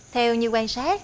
theo nhiều quan sát